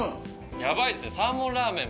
ヤバいっすねサーモンラーメン